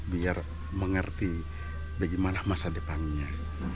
biar mengerti bagaimana masa depannya